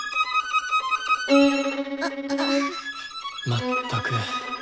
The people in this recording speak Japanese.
まったく。